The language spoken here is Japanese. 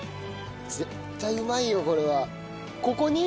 絶対うまいよこれは。ここに？